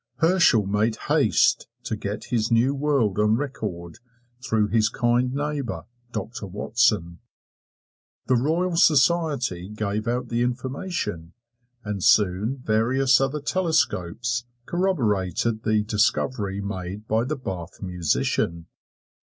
Herschel made haste to get his new world on record through his kind neighbor, Doctor Watson. The Royal Society gave out the information, and soon various other telescopes corroborated the discovery made by the Bath musician.